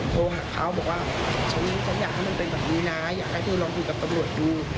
โทรหาเขาบอกว่าฉันอยากให้มันเป็นแบบนี้นะอยากให้เธอลองคุยกับตำรวจดู